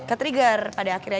ketrigger pada akhirnya